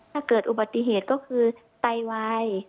ถ้าเกิดอุบัติเหตุก็คือไตวาย